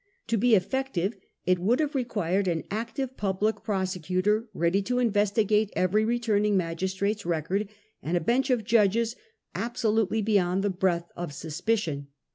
To be effective, it would have required an active public prosecutor, ready to investigate every returning magistrate's record, and a bench of judges absolutely beyond the breath of suspicion.